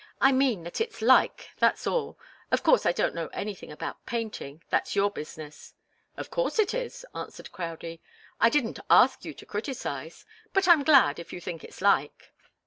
I mean that it's like, that's all. Of course, I don't know anything about painting that's your business." "Of course it is," answered Crowdie; "I didn't ask you to criticise. But I'm glad if you think it's like."